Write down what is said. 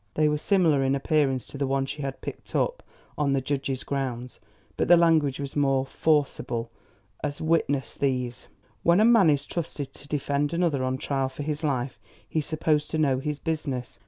They were similar in appearance to the one she had picked up on the judge's grounds but the language was more forcible, as witness these: When a man is trusted to defend another on trial for his life, he's supposed to know his business.